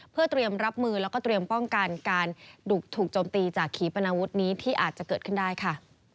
เพื่อเตรียมรับมือแล้วก็เตรียมป้องกันการถูกโจมตีจากขีปนาวุธนี้ที่อาจจะเกิดขึ้นได้ค่ะ